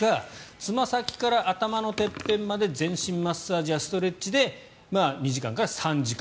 つま先から頭のてっぺんまで全身マッサージやストレッチで２時間から３時間。